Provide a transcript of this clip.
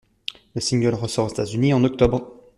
Le single ressort aux États-Unis en octobre.